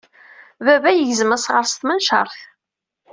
Baba yegzem asɣar s tmencaṛt.